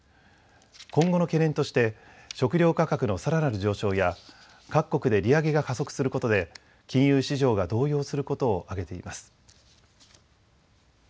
今後の懸念として食料価格のさらなる上昇や各国で利上げが加速することで金融市場が動揺することを挙げています。